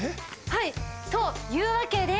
はいというわけで。